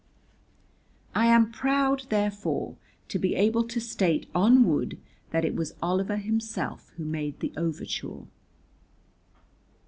I am proud, therefore, to be able to state on wood that it was Oliver himself who made the overture.